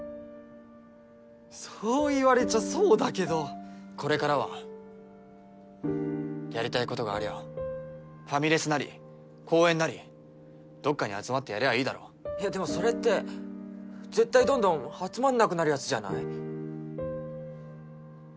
そう言われちゃそうだけどこれからはやりたいことがありゃファミレスなり公園なりどっかに集まってやりゃいいだろいやでもそれって絶対どんどん集まんなくなるやつじゃない？